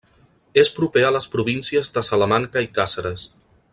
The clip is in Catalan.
És proper a les províncies de Salamanca i Càceres.